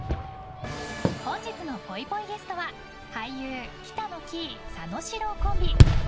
本日のぽいぽいゲストは俳優・北乃きい、佐野史郎コンビ。